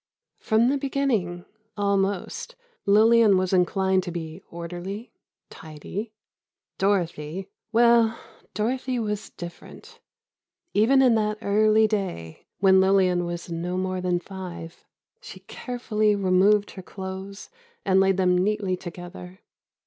From the beginning, almost, Lillian was inclined to be orderly, tidy. Dorothy—well, Dorothy was different. Even in that early day, when Lillian was no more than five, she carefully removed her clothes and laid them neatly together.